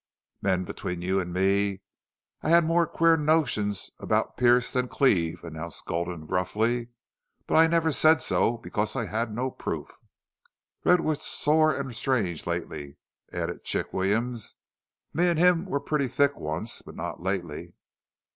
"Men, between you and me, I had more queer notions about Pearce than Cleve," announced Gulden, gruffly. "But I never said so because I had no proof." "Red shore was sore an' strange lately," added Chick Williams. "Me an' him were pretty thick once but not lately."